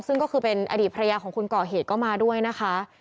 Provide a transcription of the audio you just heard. ซึ่งก็คือเป็นอดีตภรรยาของคนก่อเหตุก็มาด้วยนะคะ